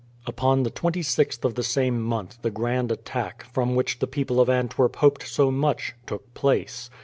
Upon the 26th of the same month the grand attack, from which the people of Antwerp hoped so much, took place.